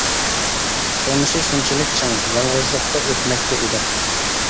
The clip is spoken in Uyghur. تۇرمۇشى شۇنچىلىك چىڭ، يالغۇزلۇقتا ئۆتمەكتە ئىدى.